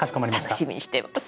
楽しみにしてます。